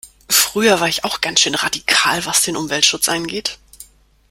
Früher war ich auch ganz schön radikal, was den Umweltschutz angeht.